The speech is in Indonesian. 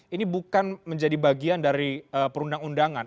ini bukan menjadi bagian dari perundang undangan